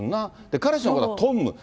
彼氏のことはトンム。